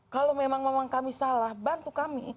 kalau memang memang kami salah bantu kami